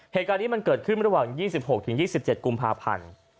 เหตุการณ์นี้มันเกิดขึ้นระหว่าง๒๖๒๗กุมภาพันธ์